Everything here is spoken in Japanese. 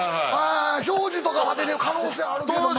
ショージとかは出てる可能性あるけどもやな。